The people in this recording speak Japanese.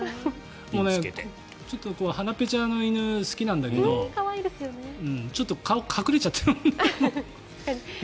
鼻ぺちゃの犬好きなんだけどちょっと顔隠れちゃってるもんね。